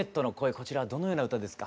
こちらはどのような歌ですか？